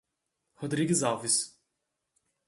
Rodrigues Alves